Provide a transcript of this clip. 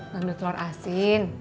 nangis telur asin